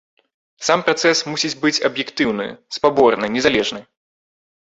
Сам працэс мусіць быць аб'ектыўны, спаборны, незалежны.